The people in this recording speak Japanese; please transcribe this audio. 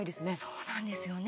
そうなんですよね